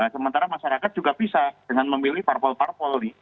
sementara masyarakat juga bisa dengan memilih parpol parpol nih